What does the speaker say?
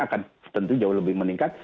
akan tentu jauh lebih meningkat